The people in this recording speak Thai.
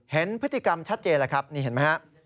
เห็นพฤติกรรมชัดเจนแล้วครับนี่เห็นไหมฮะ